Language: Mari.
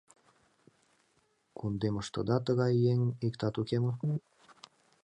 Кундемыштыда тыгай еҥ иктат уке мо?